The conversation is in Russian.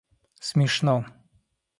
смешно